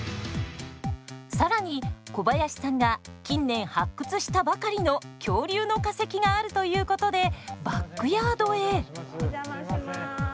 更に小林さんが近年発掘したばかりの恐竜の化石があるということでバックヤードへ。